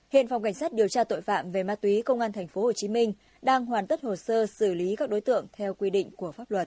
hiện phòng cảnh sát điều tra tội phạm về ma túy công an tp hcm đang hoàn tất hồ sơ xử lý các đối tượng theo quy định của pháp luật